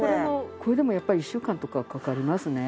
これでもやっぱり１週間とかはかかりますね。